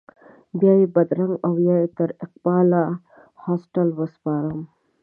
بیا یې بدرګه او یا یې تر اقبال هاسټل وسپارم.